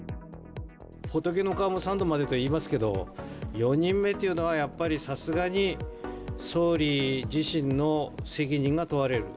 仏の顔も三度までと言いますけど、４人目というのはやっぱり、さすがに総理自身の責任が問われる。